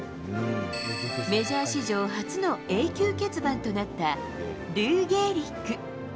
メジャー史上初の永久欠番となった、ルー・ゲーリッグ。